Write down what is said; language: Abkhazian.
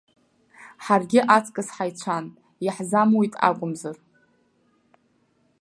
Ҳаргьы аҵкыс ҳаицәан, иаҳзамуит акәымзар.